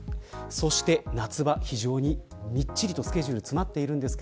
そして夏場、みっちりとスケジュールが詰まっています。